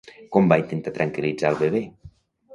Com va intentar tranquil·litzar el bebè?